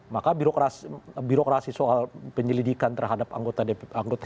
maka birokrasi soal penyelidikan terhadap anggota